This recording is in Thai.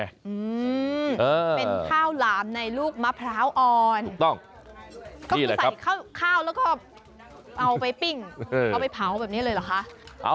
เอาไปเผาแบบนี้เลยเหรอคะ